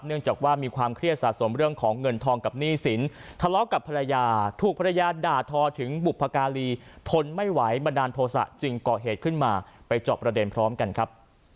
จากว่ามีความเครียดสะสมเรื่องของเงินทองกับหนี้สินทะเลาะกับภรรยาถูกภรรยาด่าทอถึงบุพการีทนไม่ไหวบันดาลโทษะจึงก่อเหตุขึ้นมาไปเจาะประเด็นพร้อมกันครับ